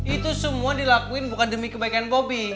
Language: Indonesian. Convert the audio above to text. itu semua dilakuin bukan demi kebaikan bobi